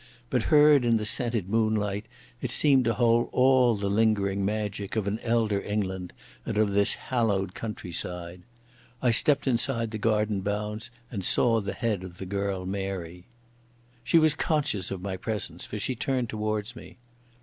But heard in the scented moonlight it seemed to hold all the lingering magic of an elder England and of this hallowed countryside. I stepped inside the garden bounds and saw the head of the girl Mary. She was conscious of my presence, for she turned towards me.